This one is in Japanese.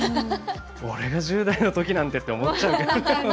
俺が１０代の時なんてって思っちゃうけど。